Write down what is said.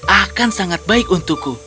akan sangat baik untukku